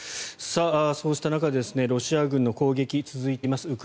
そうした中でロシア軍の攻撃が続いています。